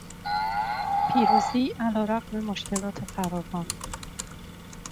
پیروزی علیرغم مشکلات فراوان